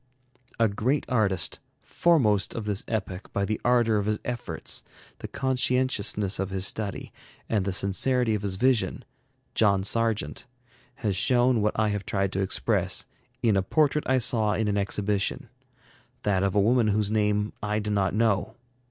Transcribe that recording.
A great artist, foremost of this epoch by the ardor of his efforts, the conscientiousness of his study, and the sincerity of his vision, John Sargent, has shown what I have tried to express, in a portrait I saw in an exhibition; that of a woman whose name I do not know.